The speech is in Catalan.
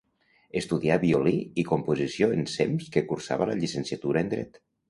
Estudià violí i composició ensems que cursava la llicenciatura en Dret.